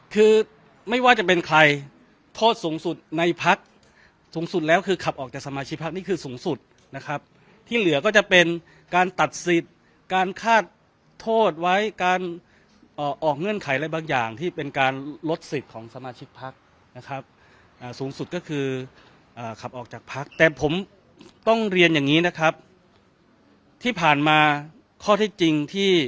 คือไม่ว่าจะเป็นใครโทษสูงสุดในพักสูงสุดแล้วคือขับออกจากสมาชิกพักนี่คือสูงสุดนะครับที่เหลือก็จะเป็นการตัดสิทธิ์การคาดโทษไว้การออกเงื่อนไขอะไรบางอย่างที่เป็นการลดสิทธิ์ของสมาชิกพักนะครับสูงสุดก็คือขับออกจากพักแต่ผมต้องเรียนอย่างนี้นะครับที่ผ่านมาข้อที่จริงที่